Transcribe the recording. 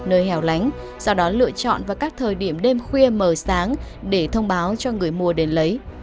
nơi hẻo lánh sau đó lựa chọn vào các thời điểm đêm khuya mờ sáng để thông báo cho người mua đến lấy